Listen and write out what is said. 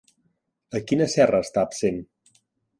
A quina serra està absent?